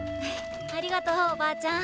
ありがとうおばーちゃん。